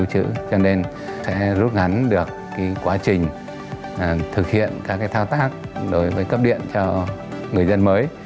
hắn được quá trình thực hiện các thao tác đối với cấp điện cho người dân mới